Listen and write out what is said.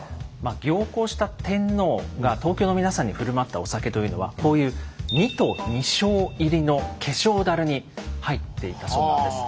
行幸した天皇が東京の皆さんに振る舞ったお酒というのはこういう２斗２升入りの化粧だるに入っていたそうなんです。